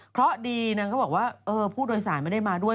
เพราะดีนางเขาบอกว่าผู้โดยสารไม่ได้มาด้วย